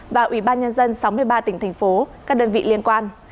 và ủy ban nhân dân sáu mươi ba tỉnh thành phố các đơn vị liên quan